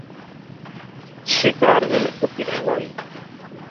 ہکے ٻیلے وِچ ݙو شین٘ہہ نئیں رہ سڳدے